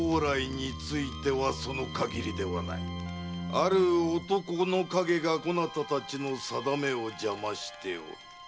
ある男の影がこなたたちの運命を邪魔しておる。